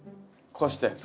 こうして。